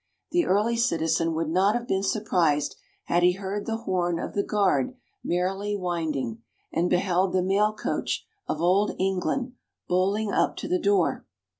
The early citizen would not have been surprised had he heard the horn of the guard merrily winding, and beheld the mail coach of old England bowling up to the door.